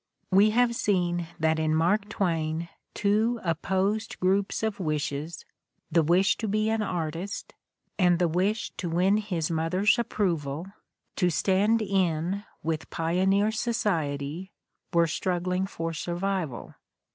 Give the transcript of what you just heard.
We have seen that in Mark Twain two opposed groups of wishes — the wish to be an artist and the wish to win his mother's ap proval, to stand in with pioneer society — ^were strug gling for survival.